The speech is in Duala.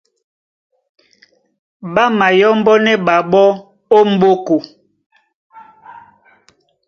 Ɓá mayɔ́mbɔ́nɛ́ ɓaɓɔ́ ó m̀ɓóko.